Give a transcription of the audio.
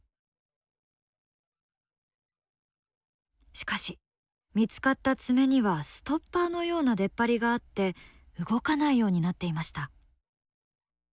しかし見つかった爪にはストッパーのような出っ張りがあって動かないようになっていました。